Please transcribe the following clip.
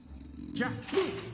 ジャック！